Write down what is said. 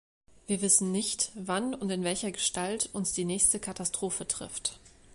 Wir wissen nicht, wann und in welcher Gestalt uns die nächste Katastrophe trifft.